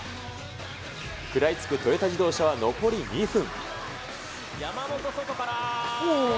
食らいつくトヨタ自動車は、残り２分。